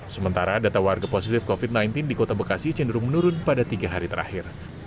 sementara data warga positif covid sembilan belas di kota bekasi cenderung menurun pada tiga hari terakhir